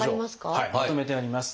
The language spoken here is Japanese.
はいまとめてあります。